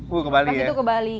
wah ke bali ya